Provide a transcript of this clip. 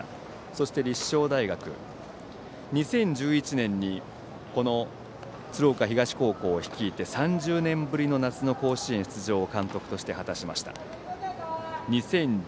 そして立正大学２０１１年に鶴岡東高校を率いて３０年ぶりの夏の甲子園出場を監督として果たしました。